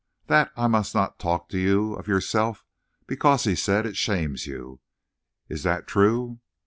"That I must not talk to you of yourself, because, he said, it shames you. Is that true?"